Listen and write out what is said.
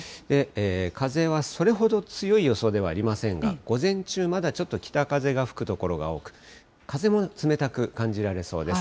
風はそれほど強い予想ではありませんが、午前中、まだちょっと北風が吹く所が多く、風も冷たく感じられそうです。